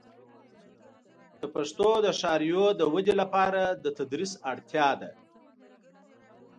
د پښتو د ښاریو د ودې لپاره د تدریس اړتیا ده.